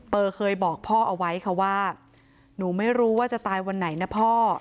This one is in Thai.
เคยบอกพ่อเอาไว้ค่ะว่าหนูไม่รู้ว่าจะตายวันไหนนะพ่อ